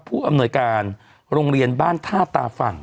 ผู้อำนวยการโรงเรียนบ้านท่าตาฝั่ง